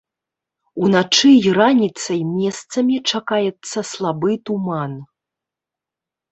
Уначы і раніцай месцамі чакаецца слабы туман.